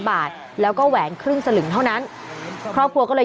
บาทแล้วก็แหวนครึ่งสลึงเท่านั้นครอบครัวก็เลย